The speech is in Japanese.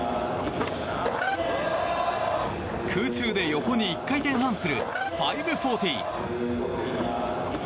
空中で横に１回転半する５４０。